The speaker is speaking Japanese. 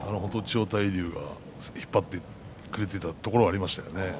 千代大龍が引っ張ってくれていたところはありました。